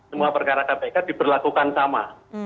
semua perkara kpk diberlakukan sama